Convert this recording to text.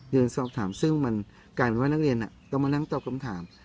ยืนสอบถามซึ่งมันกลายเป็นว่านักเรียนต้องมานั่งตอบคำถาม